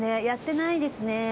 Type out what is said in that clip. やってないですね。